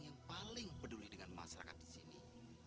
yang paling peduli dengan masyarakat disini